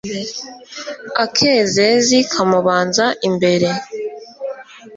akezezi kamubanza imbere